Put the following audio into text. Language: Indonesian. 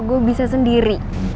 gue bisa sendiri